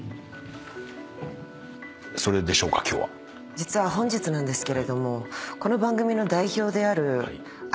実は本日なんですけれども。